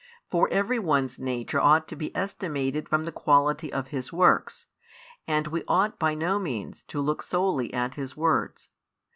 For every one's nature ought to be estimated from the quality of his works, and we ought by no means to look [solely] at his words.